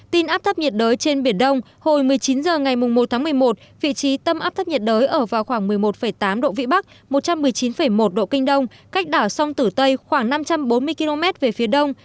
tin áp thấp nhiệt đới trên biển đông hồi một mươi chín h ngày một tháng một mươi một vị trí tâm áp thấp nhiệt đới ở vào khoảng một mươi một tám độ vĩ bắc một trăm một mươi chín một độ kinh đông cách đảo sông tử tây khoảng năm trăm bốn mươi km về phía đông